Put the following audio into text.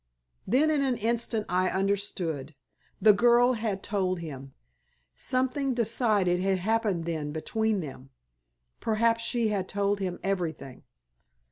Then in an instant I understood. The girl had told him. Something decided had happened then between them. Perhaps she had told him everything.